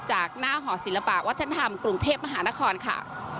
จากหน้าหอศิลปะวัฒนธรรมกรุงเทพมหานครค่ะ